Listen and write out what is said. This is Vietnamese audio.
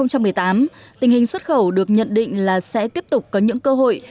năm hai nghìn một mươi tám tình hình xuất khẩu được nhận định là sẽ tiếp tục có những cơ hội